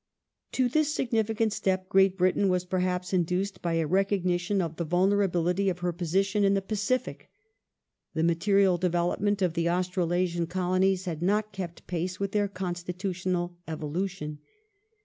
Australia To this significant step Great Britain was, perhaps, induced by a recognition of the vulnerability of her position in the Pacific. The material development of the Australasian Colonies had not kept pace with their constitutional evolution.